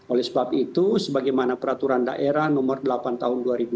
oleh sebab itu sebagaimana peraturan daerah nomor delapan tahun dua ribu dua puluh